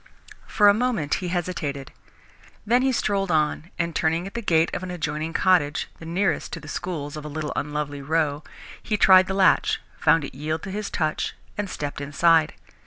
For a moment he hesitated. Then he strolled on, and, turning at the gate of an adjoining cottage, the nearest to the schools of a little unlovely row, he tried the latch, found it yield to his touch, and stepped inside.